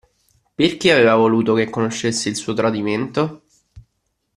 Perché aveva voluto che conoscesse il suo tradimento?